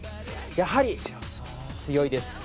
やはり、強いです。